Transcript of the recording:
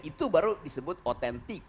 itu baru disebut otentik